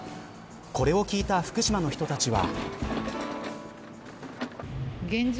これを聞いた福島の人たちは。